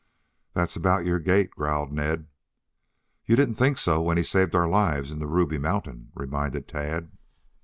"That's about your gait," growled Ned. "You didn't think so when he saved our lives in the Ruby Mountain," reminded Tad.